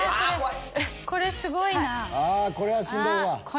これすごいなぁ。